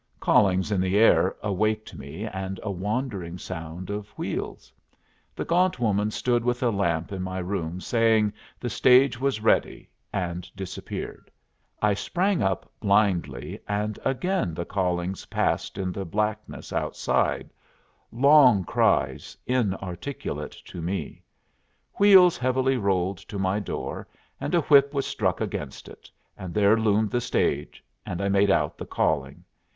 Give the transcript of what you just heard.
Callings in the air awaked me, and a wandering sound of wheels. The gaunt woman stood with a lamp in my room saying the stage was ready, and disappeared. I sprang up blindly, and again the callings passed in the blackness outside long cries, inarticulate to me. Wheels heavily rolled to my door, and a whip was struck against it, and there loomed the stage, and I made out the calling.